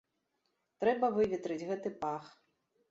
Трэба выветрыць гэты пах.